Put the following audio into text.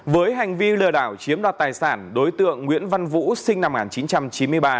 với hành vi lừa đảo chiếm đoạt tài sản đối tượng nguyễn văn vũ sinh năm một nghìn chín trăm chín mươi ba